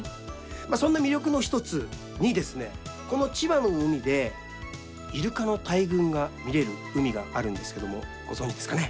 そんな魅力の１つに千葉の海でイルカの大群が見れる海があるんですけどもご存じですか？